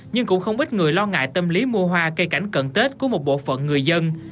nhưng cũng không ít người lo ngại tâm lý mua hoa cây cảnh cận tết của một bộ phận người dân